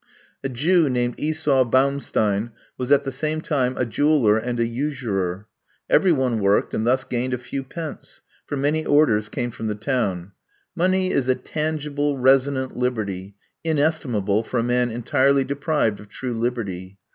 A Jew named Esau Boumstein was at the same time a jeweller and a usurer. Every one worked, and thus gained a few pence for many orders came from the town. Money is a tangible resonant liberty, inestimable for a man entirely deprived of true liberty.